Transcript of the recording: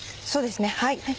そうですね。